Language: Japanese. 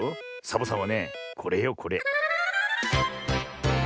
サボさんはねこれよこれ。